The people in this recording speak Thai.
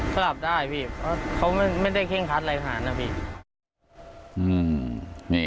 สลับได้เขาไม่ได้เคลียดพื้นธรรมในศาลอฮัศดีน